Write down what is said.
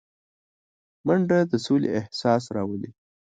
منډه د سولې احساس راولي